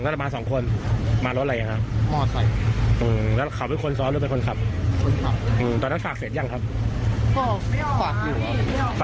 โดยหมวกเขาออกมาถึงแล้วขอเรียกว่าไงกันต่อ